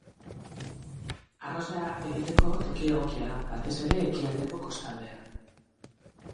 Arroza egiteko toki egokia da, batez ere ekialdeko kostaldea.